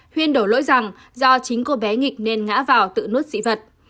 huyên đổ lỗi rằng do chính cô bé nghịch nên ngã vào tự nuốt dị vật